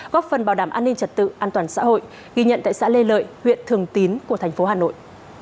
góp phần bảo đảm an ninh trật tự an toàn xã hội ghi nhận tại xã lê lợi huyện thường tín của thành phố hà nội